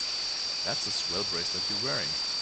That's a swell bracelet you're wearing.